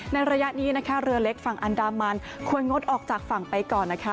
ระยะนี้นะคะเรือเล็กฝั่งอันดามันควรงดออกจากฝั่งไปก่อนนะคะ